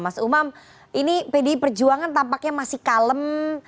mas umam ini pdi perjuangan tampaknya masih kalem